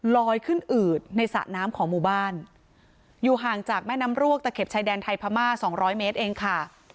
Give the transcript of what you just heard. ลอยขึ้นอืดในสระน้ำของหมู่บ้านอยู่ห่างจากแม่น้ำรวกตะเข็บชายแดนไทยพม่าสองร้อยเมตรเองค่ะ